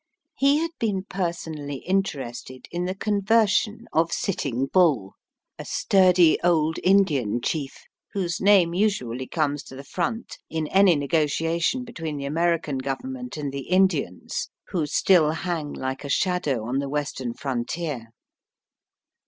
He had been personally interested in the conversion of Sitting Bull, a sturdy old Indian chief whose name usually comes to the front in any negotiation between the American Govern ment and the Indians, who still hang like a shadow on the western frontier.